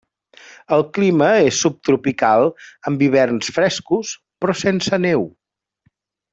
El clima és subtropical amb hiverns frescos però sense neu.